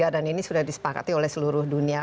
dan ini sudah disepakati oleh seluruh dunia